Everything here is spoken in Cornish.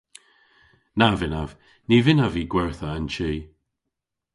Na vynnav. Ny vynnav vy gwertha an chi.